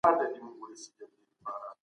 په بریتانیا کې د سرطان څېړنه مخ پر وړاندې ده.